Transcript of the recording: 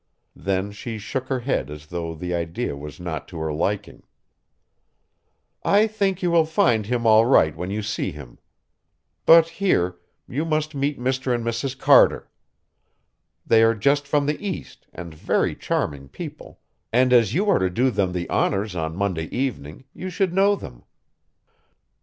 Then she shook her head as though the idea was not to her liking. "I think you will find him all right when you see him. But here you must meet Mr. and Mrs. Carter. They are just from the East, and very charming people, and as you are to do them the honors on Monday evening, you should know them."